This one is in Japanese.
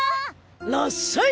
らっしゃい！